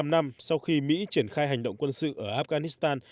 một mươi năm năm sau khi mỹ triển khai hành động quân sự ở afghanistan